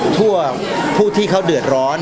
ผู้ที่เขาเดือดร้อน